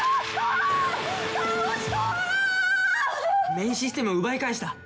メインシステムを奪い返した！